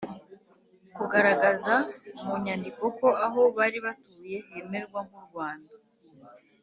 kugaragaza mu nyandiko ko aho bari batuye hemerwa nk’u rwanda;